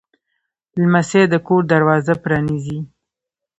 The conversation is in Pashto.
لمسی د کور دروازه پرانیزي.